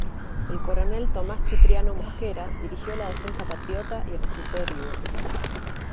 El coronel Tomás Cipriano Mosquera dirigió la defensa patriota y resultó herido.